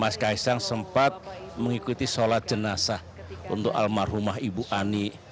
mas kaisang sempat mengikuti sholat jenazah untuk almarhumah ibu ani